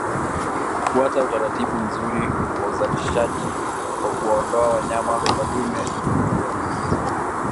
Kufuata utaratibu mzuri wa uzalishaji kwa kuwaondoa wanyama wa dume walioambukizwa